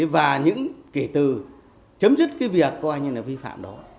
và kể từ chấm dứt cái việc coi như là vi phạm đó